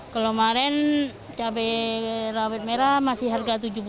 kalau kemarin cabai rawit merah masih harga rp tujuh puluh